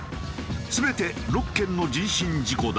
全て６件の人身事故だ。